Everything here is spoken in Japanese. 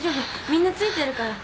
みんなついてるから。